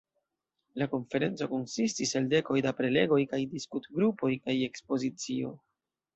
La konferenco konsistis el dekoj da prelegoj kaj diskutgrupoj kaj ekspozicio.